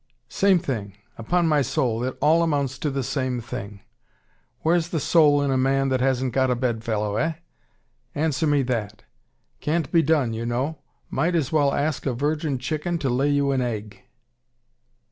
"Same thing. Upon my soul it all amounts to the same thing. Where's the soul in a man that hasn't got a bedfellow eh? answer me that! Can't be done you know. Might as well ask a virgin chicken to lay you an egg."